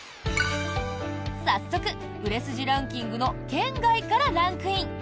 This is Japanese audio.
早速売れ筋ランキングの圏外からランクイン。